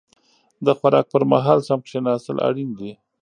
د خوراک پر مهال سم کيناستل اړين دي.